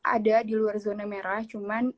ada di luar zona merah cuman